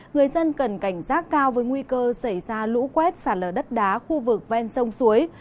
người dân cần cảnh giác cao với nguy cơ xảy ra lũ quét sạt lở đất đá khu vực ven sông suối